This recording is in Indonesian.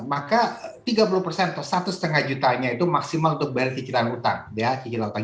maka tiga puluh atau satu lima juta nya itu maksimal untuk bayar cicilan utang